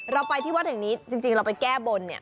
เราไปที่วัดแห่งนี้จริงเราไปแก้บนเนี่ย